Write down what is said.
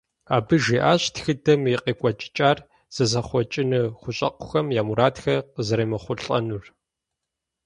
Абы жиӀащ тхыдэм и къекӀуэкӀыкӀар зэзыхъуэкӀыну хущӀэкъухэм я мурадхэр къазэремыхъулӀэнур.